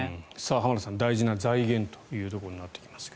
浜田さん、大事な財源というところになってきますが。